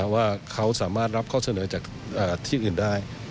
ว่าเขาสามารถรับข้อเสนอจากที่อื่นได้